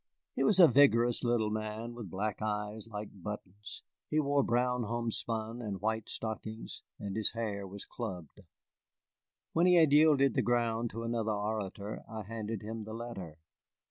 He was a vigorous little man, with black eyes like buttons, he wore brown homespun and white stockings, and his hair was clubbed. When he had yielded the ground to another orator, I handed him the letter.